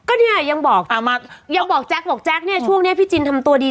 ก็เนี่ยยังบอกยังบอกแจ๊คบอกแจ๊คเนี่ยช่วงนี้พี่จินทำตัวดี